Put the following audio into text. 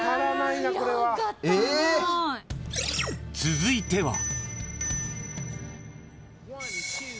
［続いては］